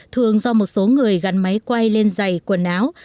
thường do một số người gắn máy quay lên dày quần áo